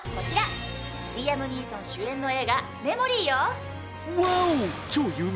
リーアム・ニーソン主演の映画『ＭＥＭＯＲＹメモリー』よ！